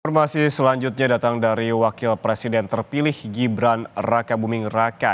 informasi selanjutnya datang dari wakil presiden terpilih gibran raka buming raka